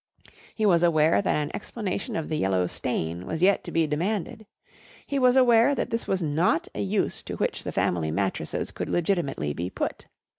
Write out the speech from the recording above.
He was aware that an explanation of the yellow stain was yet to be demanded. He was aware that this was not a use to which the family mattresses could legitimately be put.